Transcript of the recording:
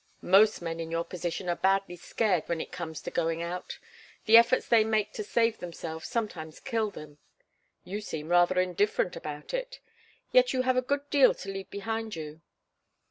"Most men in your position are badly scared when it comes to going out. The efforts they make to save themselves sometimes kill them. You seem rather indifferent about it. Yet you have a good deal to leave behind you."